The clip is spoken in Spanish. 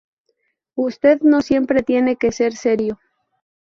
Usted no siempre tiene que ser serio.